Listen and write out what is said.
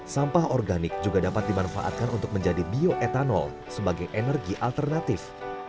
sampah organik juga dapat dimanfaatkan untuk menjadi bioetanol sebagai energi alternatif